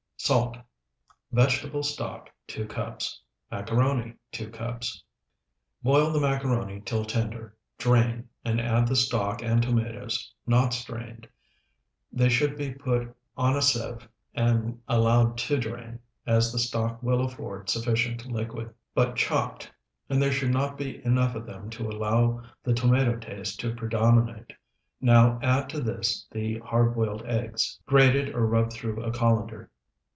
Salt. Vegetable stock, 2 cups. Macaroni, 2 cups. Boil the macaroni till tender, drain, and add the stock and tomatoes not strained (they should be put on a sieve and allowed to drain, as the stock will afford sufficient liquid), but chopped, and there should not be enough of them to allow the tomato taste to predominate. Now add to this the hard boiled eggs, grated or rubbed through a colander.